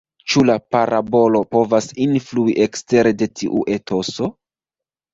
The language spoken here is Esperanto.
Ĉu la parabolo povas influi ekstere de tiu etoso?